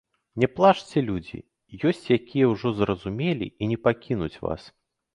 Не плачце, людзі ёсць, якія ўжо зразумелі і не пакінуць вас.